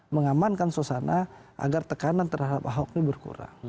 mengamankan suasana agar tekanan terhadap ahok ini berkurang